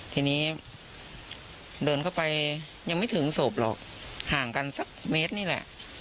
ทีนี้เดินเข้าไปยังไม่ถึงศพหรอกห่างกันสักเมตรนี่แหละ